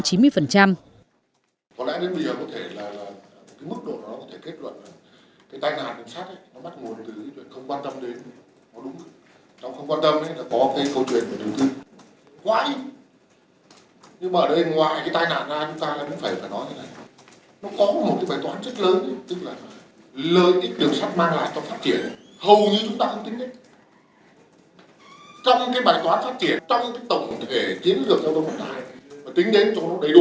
trong cái bài toán phát triển trong cái tổng thể chiến lược trong đồng tài tính đến chỗ nó đầy đủ